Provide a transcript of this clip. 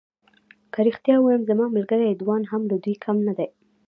که رښتیا ووایم زما ملګری رضوان هم له دوی کم نه دی.